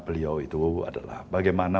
beliau itu adalah bagaimana